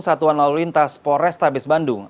satuan lalu lintas pores tabis bandung